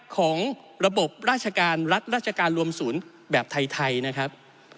ของระบบราชการรัฐราชการรวมศูนย์แบบไทยนะครับ